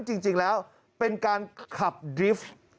จริงแล้วเป็นการขับดริฟท์